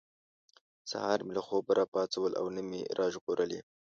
سهار مې له خوبه را پاڅول او نه مې را ژغورلي.